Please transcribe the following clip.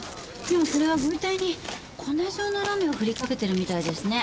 でもこれはご遺体に粉状のラメを振りかけてるみたいですね。